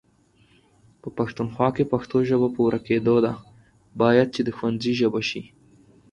په پښتونخوا کې پښتو ژبه په ورکيدو ده، بايد چې د ښونځي ژبه شي